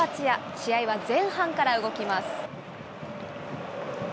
試合は前半から動きます。